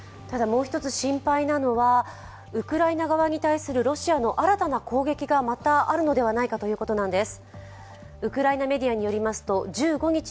もう一つ心配なのはウクライナ側に対するロシアの新たな攻撃がまたあるのではないかということなんです。